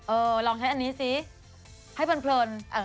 ลองใช้อันนี้ซิให้เพลิน